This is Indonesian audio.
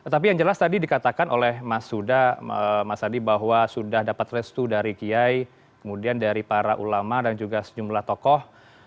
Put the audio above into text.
tapi yang jelas tadi dikatakan oleh mas huda mas hadi bahwa sudah dapat restu dari kiai kemudian dari para ulama dan juga sejumlah tokoh